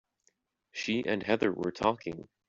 She and Heather were talking.